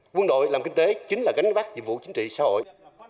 quân đội làm kinh tế chính là gánh vác nhiệm vụ chính trị xã hội